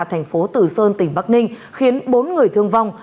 tp tử sơn tỉnh bắc ninh khiến bốn người thương vong